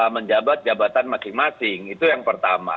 menjabat jabatan masing masing itu yang pertama